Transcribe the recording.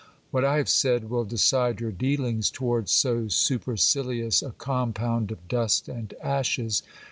What I have said will decide your dealings towards so supercilious a compound of dust and ashes.